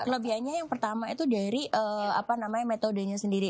kelebihannya yang pertama itu dari metodenya sendiri